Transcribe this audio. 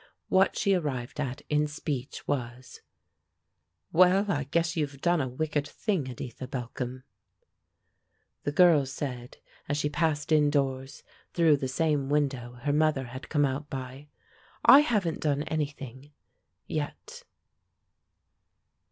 What she arrived at in speech was, "Well, I guess you've done a wicked thing, Editha Balcom." The girl said, as she passed indoors through the same window her mother had come out by, "I haven't done anything yet."